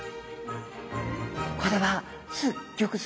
これはすっギョくす